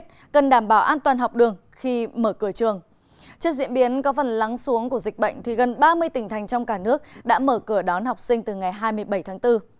trên diễn biến có phần lắng xuống của dịch bệnh thì gần ba mươi tỉnh thành trong cả nước đã mở cửa đón học sinh từ ngày hai mươi bảy tháng bốn